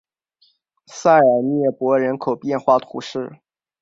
塞尔涅博人口变化图示